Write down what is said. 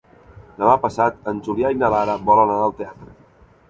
Demà passat en Julià i na Lara volen anar al teatre.